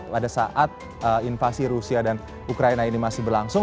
pada saat invasi rusia dan ukraina ini masih berlangsung